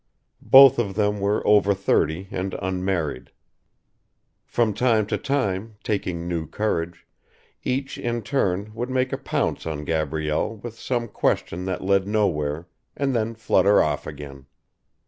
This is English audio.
Both of them were over thirty and unmarried. From time to time, taking new courage, each in turn would make a pounce on Gabrielle with some question that led nowhere, and then flutter off again.